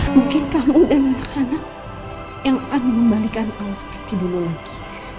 mungkin kamu dan anak anak yang akan mengembalikan allah seperti dulu lagi